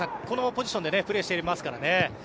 このポジションでプレーしていますからね。